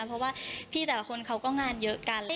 เพราะว่าพี่แต่ละคนเขาก็งานเยอะกัน